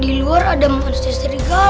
di luar ada monster serigala